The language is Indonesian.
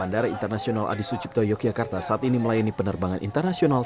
bandara internasional adi sucipto yogyakarta saat ini melayani penerbangan internasional